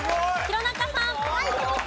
弘中さん。